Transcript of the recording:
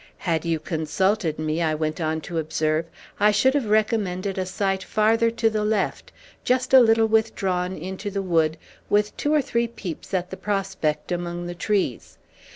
"Had you consulted me," I went on to observe, "I should have recommended a site farther to the left, just a little withdrawn into the wood, with two or three peeps at the prospect among the trees.